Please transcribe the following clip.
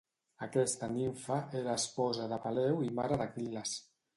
Aquesta nimfa era esposa de Peleu i mare d'Aquil·les.